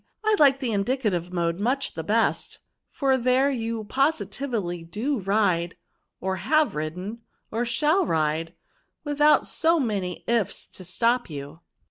I like the indicative mode much the best, for there you positively do ride, or have ridden, or shall ride, without so many ifs to stop you."